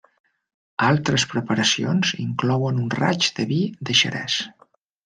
Altres preparacions inclouen un raig de vi de xerès.